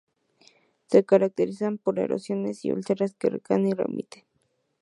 Se caracteriza por erosiones y ulceraciones que recaen y remiten.